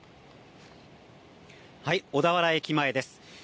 小田原駅前です。